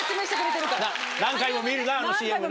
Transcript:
何回も見るなあのＣＭな。